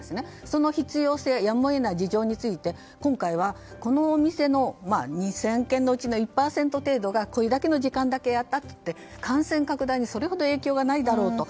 その必要性やむを得ない事情について今回はこのお店の２０００軒のうちの１％程度がこれだけの時間がやっても感染拡大にそれほど影響がないだろうと。